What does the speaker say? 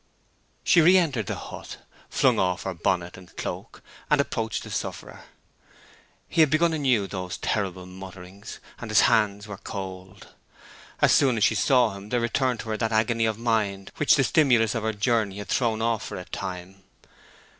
She re entered the hut, flung off her bonnet and cloak, and approached the sufferer. He had begun anew those terrible mutterings, and his hands were cold. As soon as she saw him there returned to her that agony of mind which the stimulus of her journey had thrown off for a time.